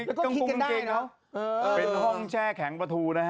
แล้วก็คิดกันได้เนอะเออเป็นห้องแช่แข็งประทูนะฮะฮะ